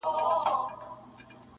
مخ یې ونیوی د نیل د سیند پر لوري-